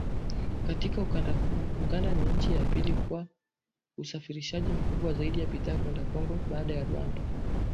Katika ukanda huo, Uganda ni nchi ya pili kwa usafirishaji mkubwa zaidi wa bidhaa kwenda Kongo, baada ya Rwanda.